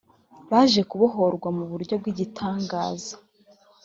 baje kubohorwa mu buryo bw’igitangaza